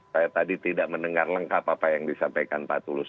saya tadi tidak mendengar lengkap apa yang disampaikan pak tulus